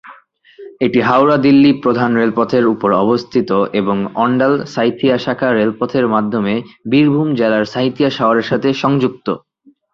এটি হাওড়া-দিল্লি প্রধান রেলপথের উপর অবস্থিত এবং অন্ডাল-সাঁইথিয়া শাখা রেলপথের মাধ্যমে বীরভূম জেলার সাঁইথিয়া শহরের সাথে সংযুক্ত।